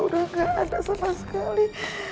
sudah tidak ada sama sekali